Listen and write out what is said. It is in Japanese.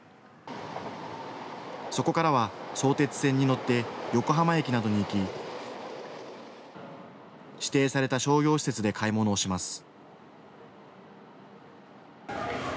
そこからは、相鉄線に乗って横浜駅などに行き指定された商業施設で買い物をします。